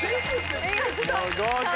合格。